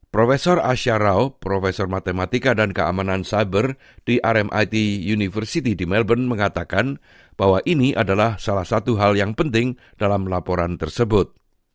prof asyarau prof matematika dan keamanan cyber di rmit university di melbourne mengatakan bahwa ini adalah salah satu hal yang penting dalam laporan tersebut